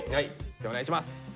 じゃお願いします。